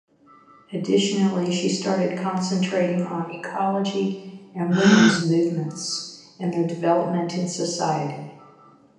Additionally, she started concentrating on ecology and women's movements and their development in society.